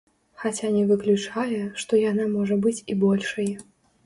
Хаця не выключае, што яна можа быць і большай.